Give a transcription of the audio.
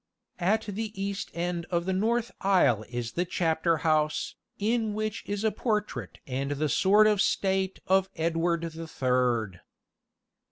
At the east end of the north aisle is the chapter house, in which is a portrait and the sword of state of Edward the Third.